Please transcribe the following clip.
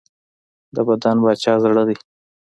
د بدن باچا زړه دی.